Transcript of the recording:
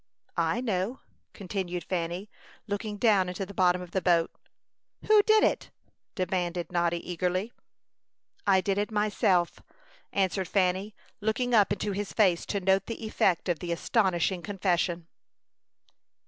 "I know," continued Fanny, looking down into the bottom of the boat. "Who did it?" demanded Noddy, eagerly. "I did it myself," answered Fanny, looking up into his face to note the effect of the astonishing confession.